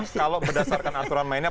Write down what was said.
kalau berdasarkan aturan mainnya